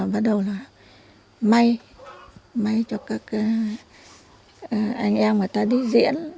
bắt đầu là may may cho các anh em của ta đi diễn